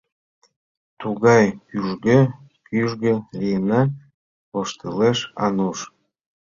— Тугай кӱжгӧ-кӱжгӧ лийына! — воштылеш Ануш.